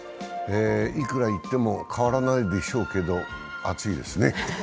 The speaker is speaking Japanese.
いくら言っても変わらないでしょうけど暑いですね。